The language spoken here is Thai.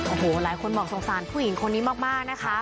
โอ้โหหลายคนบอกสงสารผู้หญิงคนนี้มากนะคะ